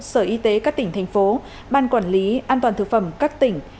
sở y tế các tỉnh thành phố ban quản lý an toàn thực phẩm các tỉnh